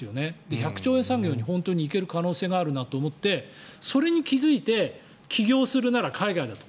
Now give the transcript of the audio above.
１００兆円産業に本当に行ける可能性があるなと思ってそれに気付いて起業するなら海外だと。